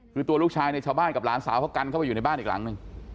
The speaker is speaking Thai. คือตัวลูกชายเนี่ยชาวบ้านกับหลานสาวเขากันเข้าไปอยู่ในบ้านอีกหลังหนึ่ง